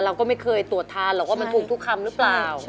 เราก็ไม่เคยตรวจทานหรอกว่ามันถูกทุกคำหรือเปล่า